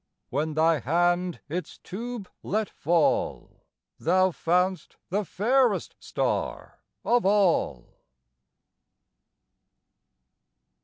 When thy hand its tube let fall, Thou found'st the fairest star of all!